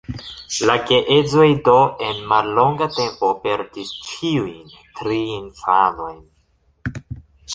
La geedzoj do en mallonga tempo perdis ĉiujn tri infanojn.